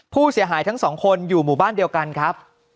ผู้เสียหายทั้งสองคนอยู่หมู่บ้านเดียวกันครับ